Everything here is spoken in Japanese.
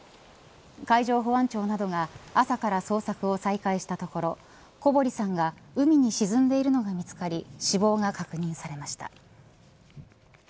海上保安庁などが朝から捜索を再開したところ小堀さんが海に沈んでいるのが見つかり死亡が確認されました。